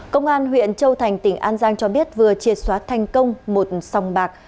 công an huyện châu thành tỉnh an giang cho biết vừa triệt xóa thành công một sòng bạc